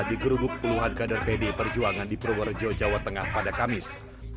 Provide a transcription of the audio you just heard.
digerubuk puluhan kader pdi perjuangan di purworejo jawa tengah pada kamis